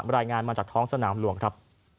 รายงานมาจากท้องสนามหลวงครับ